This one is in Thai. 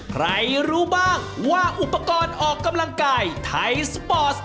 รู้บ้างว่าอุปกรณ์ออกกำลังกายไทยสปอร์ส